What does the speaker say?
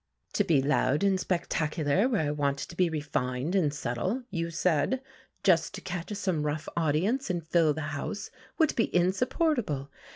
"To be loud and spectacular where I wanted to be refined and subtle," you said, "just to catch some rough audience and fill the house, would be insupportable.